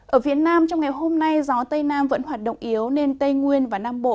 ở phía nam trong ngày hôm nay gió tây nam vẫn hoạt động yếu nên tây nguyên và nam bộ